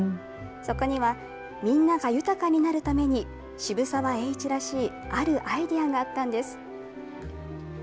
そこにはみんなが豊かになるために、渋沢栄一らしい、あるアイデアがあったんです。